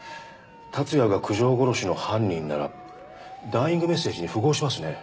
竜也が九条殺しの犯人ならダイイングメッセージに符合しますね。